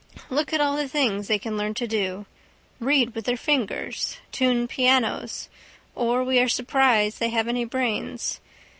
Look at all the things they can learn to do. Read with their fingers. Tune pianos. Or we are surprised they have any brains.